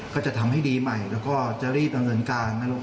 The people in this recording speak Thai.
ก็จะทำให้ดีใหม่แล้วก็จะรีบดำเนินการนะลูก